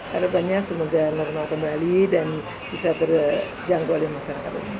harapannya semoga nanti kembali dan bisa berjangkau oleh masyarakat